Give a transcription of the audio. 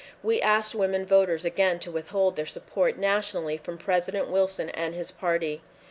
We asked women voters again to withhold their support nationally from President Wilson and his party.